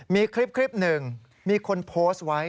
มีคลิปหนึ่งมีคนโพสต์ไว้